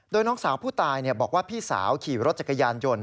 โดยน้องสาวผู้ตายบอกว่าพี่สาวขี่รถจักรยานยนต์